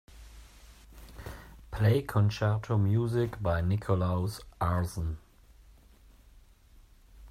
Play concerto music by Nicholaus Arson.